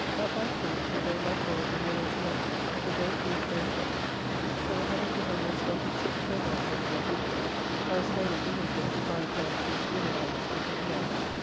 Up by three, and going by four on my way to London; but the day proves very cold, so that having put on no stockings but thread ones under my boots, I was fain at Bigglesworth to buy a pair of coarse woollen ones, and put them on.